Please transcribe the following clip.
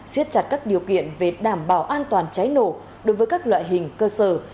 xiết chặt các điều kiện về đảm bảo an toàn cháy nổ đối với các loại hình cơ sở